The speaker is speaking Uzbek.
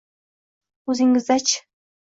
— Oʼzingizda-chi?